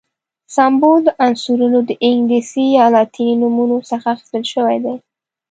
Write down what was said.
سمبول د عنصرونو د انګلیسي یا لاتیني نومونو څخه اخیستل شوی دی.